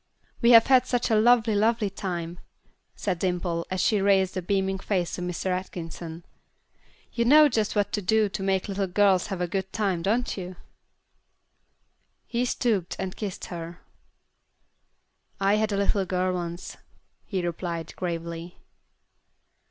"We have had such a lovely, lovely time," said Dimple, as she raised a beaming face to Mr. Atkinson. "You know just what to do to make little girls have a good time, don't you?" He stooped and kissed her. "I had a little girl once," he replied, gravely.